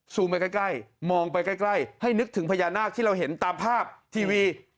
ไปใกล้มองไปใกล้ให้นึกถึงพญานาคที่เราเห็นตามภาพทีวี